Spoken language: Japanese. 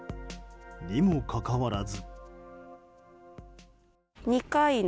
にもかかわらず。